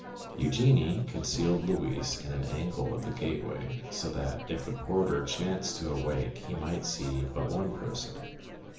Eugénie concealed Louise in an angle of the gateway, so that if the porter chanced to awake he might see but one person.